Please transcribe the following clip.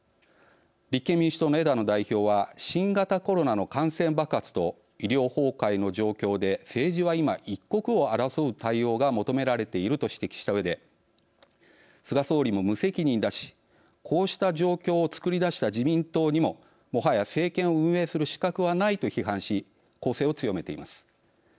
立憲民主党の枝野代表は新型コロナの感染爆発と医療崩壊の状況で政治は今一刻を争う対応が求められていると指摘したうえで菅総理も無責任だしこうした状況を作り出した自民党にももはや政権を運営する資格はないと批判し、攻勢を強めています。